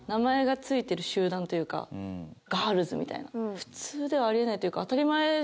普通ではあり得ないというか。